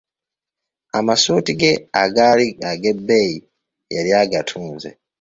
Amasuuti ge agaali ag'ebbeyi, yali agatunze.